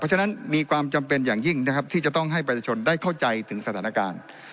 ฉะนั้นมีความจำเป็นอย่างยิ่งนะครับที่จะต้องให้ประชาชนได้เข้าใจถึงสถานการณ์